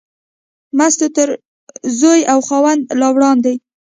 مستو تر زوی او خاوند لا وړاندې.